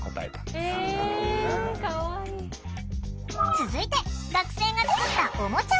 続いて学生が作ったおもちゃを紹介！